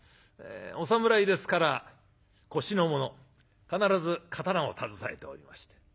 お侍ですから腰のもの必ず刀を携えておりまして。